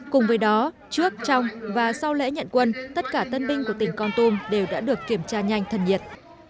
cùng với đó trước trong và sau lễ nhận quân tất cả tân binh của tỉnh con tum đều đã được kiểm tra nhanh thân nhiệt